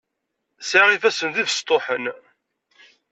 Sεiɣ ifassen d ibestuḥen.